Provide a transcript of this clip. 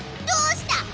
どうした？